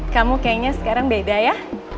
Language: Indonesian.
kamu kayaknya sekarang beda ya